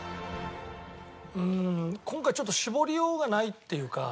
うーん今回ちょっと絞りようがないっていうか。